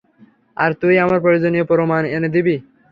আর তুই আমার প্রয়োজনীয় প্রমাণ এনে দিবি।